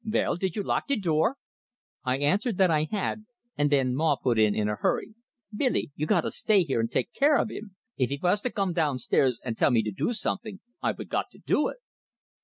"Vell, did you lock de door?" I answered that I had, and then Maw put in, in a hurry: "Billy, you gotta stay here and take care of him! If he vas to gome downstairs and tell me to do someting, I vould got to do it!"